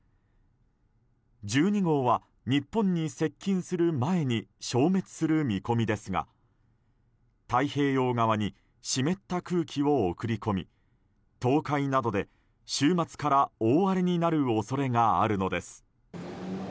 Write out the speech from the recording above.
１２号は日本に接近する前に消滅する見込みですが太平洋側に湿った空気を送り込み東海などで、週末から大荒れになる恐れがあるのです。